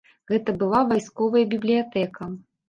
Гэта была вайсковая бібліятэка.